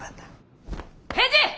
返事！